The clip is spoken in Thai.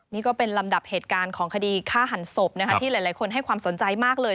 นี่ก็เป็นลำดับเหตุการณ์ของคดีฆ่าหันศพที่หลายคนให้ความสนใจมากเลย